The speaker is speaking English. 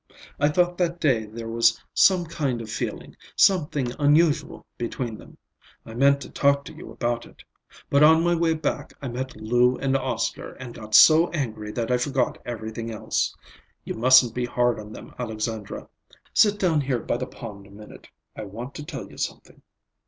I thought that day there was some kind of feeling, something unusual, between them. I meant to talk to you about it. But on my way back I met Lou and Oscar and got so angry that I forgot everything else. You mustn't be hard on them, Alexandra. Sit down here by the pond a minute. I want to tell you something."